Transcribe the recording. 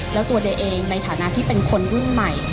แล้วตัวเดย์เองในฐานะที่เป็นคนรุ่นใหม่